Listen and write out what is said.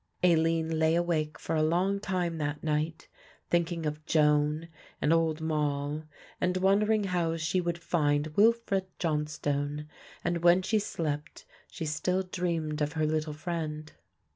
Aline lay awake for a long time that night thinking of Joan and old Moll and wondering how she would find Wilfred Johnstone; and when she slept she still dreamed of her little friend.